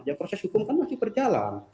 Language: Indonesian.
ya proses hukum kan masih berjalan